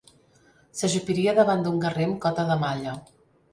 S'ajupiria davant d'un guerrer amb cota de malla.